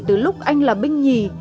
từ lúc anh là binh nhì